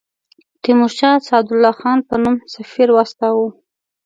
تیمورشاه سعدالله خان په نوم سفیر واستاوه.